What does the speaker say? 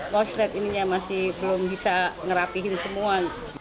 postret ini masih belum bisa ngerapihin semua